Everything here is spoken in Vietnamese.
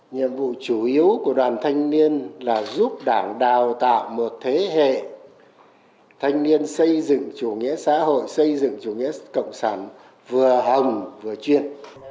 nhiệm vụ chủ yếu của đoàn thanh niên là giúp đảng đào tạo một thế hệ thanh niên xây dựng chủ nghĩa xã hội xây dựng chủ nghĩa cộng sản vừa hồng vừa chuyên